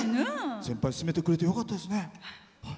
先輩すすめてくれてよかったですね。